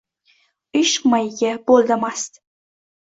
Ishq mayiga bo’ldi mast.